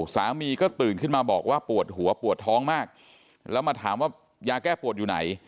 สามีก็ตื่นขึ้นมาบอกว่าปวดหัวปวดท้องมากแล้วมาถามว่ายาแก้ปวดอยู่ไหน